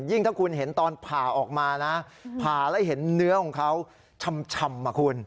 ถ้าคุณเห็นตอนผ่าออกมานะผ่าแล้วเห็นเนื้อของเขาชำอ่ะคุณ